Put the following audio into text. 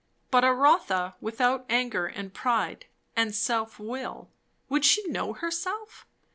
But a Rotha without anger and pride and self will would she know herself?